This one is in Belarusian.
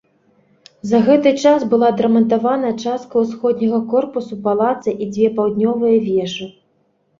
За гэты час была адрамантавана частка ўсходняга корпуса палаца і дзве паўднёвыя вежы.